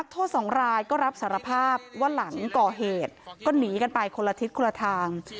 โทษสองรายก็รับสารภาพว่าหลังก่อเหตุก็หนีกันไปคนละทิศคนละทาง